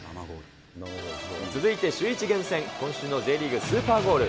続いてシューイチ厳選、今週のＪリーグスーパーゴール。